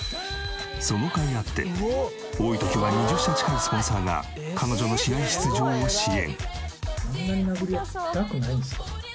そのかいあって多い時は２０社近いスポンサーが彼女の試合出場を支援。